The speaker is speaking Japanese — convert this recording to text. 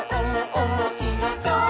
おもしろそう！」